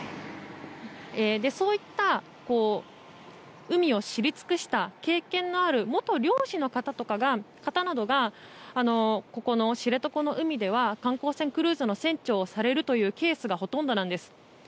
そういった海を知り尽くした経験のある元漁師の方などがここの知床の海では観光船クルーズの船長をされるケースがほとんどなんです。